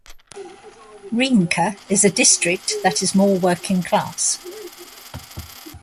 Riemke is a district that is more working class.